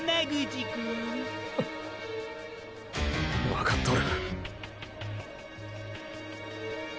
わかっとる。